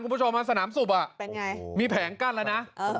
คุณผู้ชมสนามสูบอ่ะเป็นไงมีแผงกั้นแล้วนะ